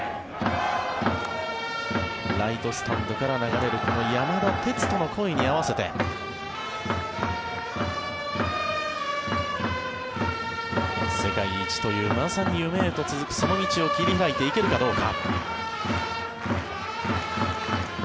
ライトスタンドから流れるこの山田哲人の声に合わせて世界一というまさに夢へと続くその道を切り開いていけるかどうか。